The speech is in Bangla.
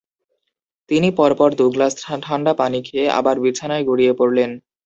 তিনি পরপর দুগ্লাস ঠাণ্ডা পানি খেয়ে আবার বিছানায় গড়িয়ে পড়লেন।